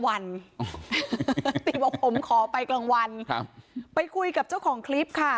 วันติบอกผมขอไปกลางวันครับไปคุยกับเจ้าของคลิปค่ะ